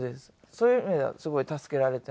そういう意味ではすごい助けられていますね。